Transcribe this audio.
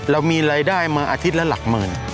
เรามีรายได้มาอาทิตย์ละหลักหมื่น